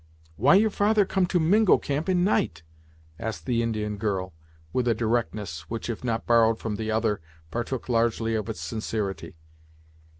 "Why your father come to Mingo camp in night?" asked the Indian girl, with a directness, which if not borrowed from the other, partook largely of its sincerity.